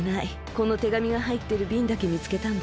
この手紙がはいってるびんだけみつけたんだ。